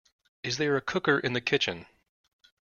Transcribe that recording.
Is there a cooker in the kitchen?